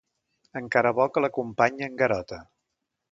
Encara bo que l'acompanya en Garota.